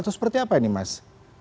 atau seperti apa ini mas